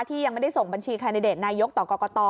ยังไม่ได้ส่งบัญชีแคนดิเดตนายกต่อกรกต